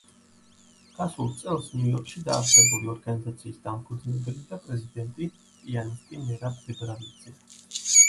გასულ წელს, ნიუ-იორკში დაარსებული ორგანიზაციის დამფუძნებელი და პრეზიდენტი, პიანისტი მერაბ ებრალიძეა.